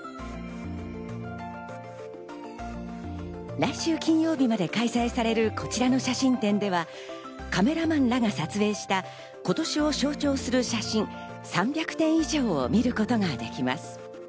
来週金曜日まで開催されるこちらの写真展では、カメラマンらが撮影した、今年を象徴する写真３００点以上を見ることができます。